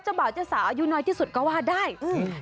บ่าวเจ้าสาวอายุน้อยที่สุดก็ว่าได้อืม